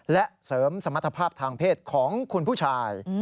และเสริมสมรรถภาพทางเพศของคุณผู้ชาย